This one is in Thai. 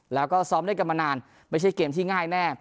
แล้วก็ซ้อมด้วยกันมานานไม่ใช่เกมที่ง่ายแน่